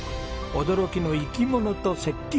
驚きの生き物と接近遭遇。